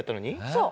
そう。